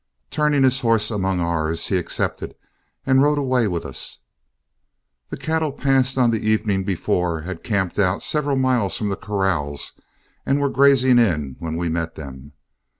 Turning his horse among ours, he accepted and rode away with us. The cattle passed on the evening before had camped out several miles from the corrals and were grazing in when we met them.